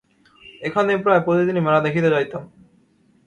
এখানে প্রায় প্রতিদিনই মেলা দেখিতে যাইতাম।